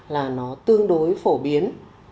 là nó tương đối phổ biến